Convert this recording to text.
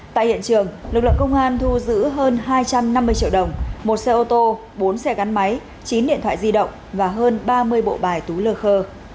tại hiện trường lực lượng công an thu giữ hơn hai trăm năm mươi triệu đồng một xe ô tô bốn xe gắn máy chín điện thoại di động và hơn ba mươi bộ bài tú lơ khơ